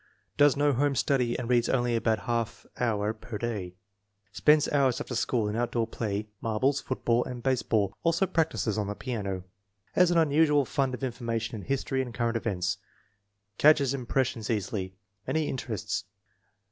Does no home study and reads only about a half hour per day. Spends hours after school in outdoor play, marbles, football, and base ball; also practices on the piano. Has an unusual fund of information in history and current events. Catches impressions easily. Many interests.